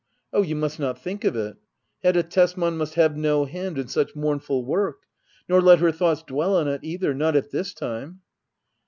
Oh^ you must not think of it ! Hedda Tesman must have no hand in such mournful work. Nor let her thoughts dwell on it either — not at this time.